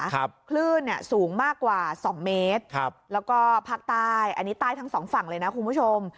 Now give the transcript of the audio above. คลื่นเนี่ยสูงมากกว่าสองเมตรครับแล้วก็ภาคใต้อันนี้ใต้ทั้งสองฝั่งเลยนะคุณผู้ชม